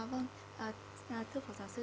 vâng thưa phó giáo sư